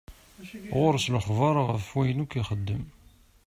Ɣur-s lexbar ɣef wayen akk i ixeddem.